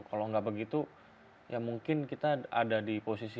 kalau nggak begitu ya mungkin kita ada di posisi